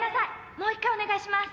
もう１回お願いします！」